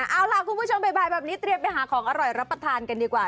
เอาล่ะคุณผู้ชมบ่ายแบบนี้เตรียมไปหาของอร่อยรับประทานกันดีกว่า